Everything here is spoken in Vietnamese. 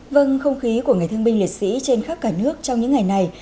vâng không khí của ngày thương binh liệt sĩ trên khắp cả nước trong những ngày này